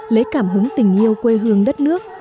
lấy cảm hứng tình yêu quê hương đất nước